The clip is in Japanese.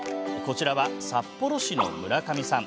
こちらは札幌市の村上さん。